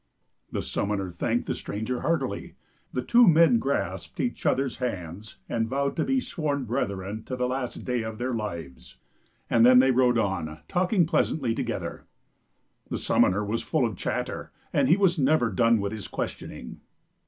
The summoner thanked the stranger heartily. The two men grasped each other's hands and vowed to be sworn brethren to the last day of their lives ; and then they rode on, talking pleasantly together. The summoner was full of chatter, and he was never done with his questioning.